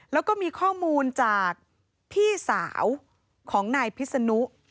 แล้วก็มีข้อมูลจากพี่สาวของนายพิษนุ